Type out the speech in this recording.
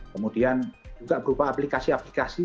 kemudian juga berupa aplikasi aplikasi